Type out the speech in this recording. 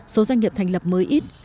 số doanh nghiệp thành lập mới ít